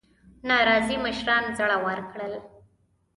ناراضي مشران زړه ورکړل.